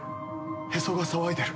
へそが騒いでる。